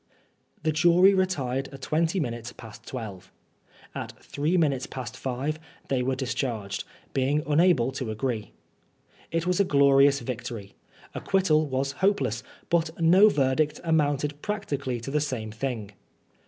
The jury retired at twenty minutes past twelve. At three minutes past five they were discharged, being^ unable to agree. It was a glorious victory. Acquittal was hopeless, but no verdict amounted practically to the same thing.